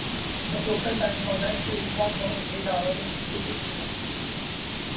The total time for that spacewalk was eight hours and fifty-six minutes.